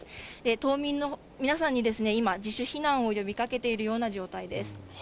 島民の皆さんに今、自主避難を呼びかけているような状態です。